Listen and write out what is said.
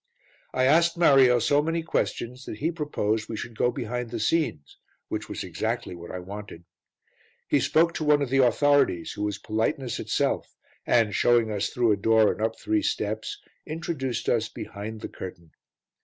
I asked Mario so many questions that he proposed we should go behind the scenes, which was exactly what I wanted. He spoke to one of the authorities, who was politeness itself and, showing us through a door and up three steps, introduced us behind the curtain.